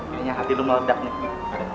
kayaknya hati lu meledak nih